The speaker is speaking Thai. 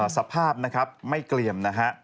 สภาพนะครับไม่เกลี่ยมนะฮะ